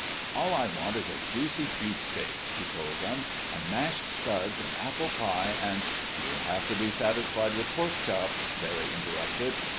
"All I want is a juicy beefsteak," he told them. "And mashed spuds and apple pie and—" "You'll have to be satisfied with pork chops," Barry interrupted.